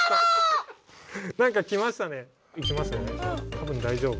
多分大丈夫。